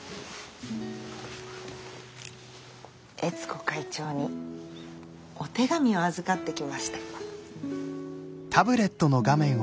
悦子会長にお手紙を預かってきました。